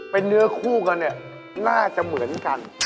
เป็นเนื้อคู่กันเนี่ยน่าจะเหมือนกัน